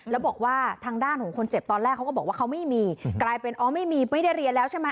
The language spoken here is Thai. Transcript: แล้วบอกว่าทางด้านของคนเจ็บตอนแรกเขาก็บอกว่าเขาไม่มีกลายเป็นอ๋อไม่มีไม่ได้เรียนแล้วใช่ไหม